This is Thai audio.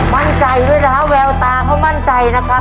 มั่นใจด้วยนะฮะแววตาเขามั่นใจนะครับ